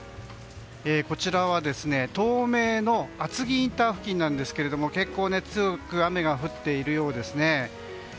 こちらは、東名の厚木インター付近ですが結構強く雨が降っているようですね。